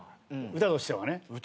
歌としてはね。